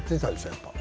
やっぱり。